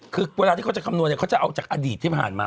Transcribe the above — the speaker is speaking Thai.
คือเวลาที่เขาจะคำนวณเนี่ยเขาจะเอาจากอดีตที่ผ่านมา